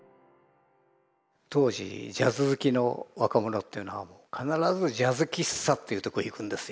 当時ジャズ好きの若者っていうのは必ずジャズ喫茶っていうとこ行くんですよ。